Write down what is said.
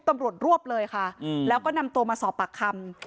ตำรวจรวบเลยค่ะแล้วก็นำตัวมาสอบปากคำ